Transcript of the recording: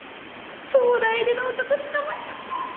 東大出の男つかまえちゃった！